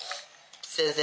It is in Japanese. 先生